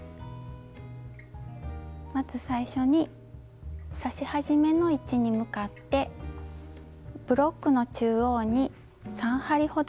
まず最初に刺し始めの位置に向かってブロックの中央に３針ほどぐし縫いをします。